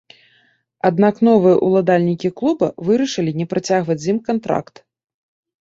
Аднак новыя ўладальнікі клуба вырашылі не працягваць з ім кантракт.